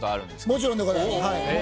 もちろんでございます。